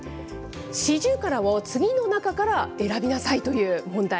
シジュウカラを次の中から選びなさいという問題。